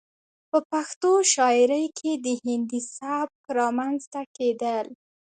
،په پښتو شاعرۍ کې د هندي سبک رامنځته کېدل